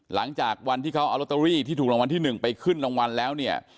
หลังจากวันที่เขาเอาลอตเตอรี่ที่ถูกรางวัลที่๑ไปขึ้นรางวัลแล้วเนี่ย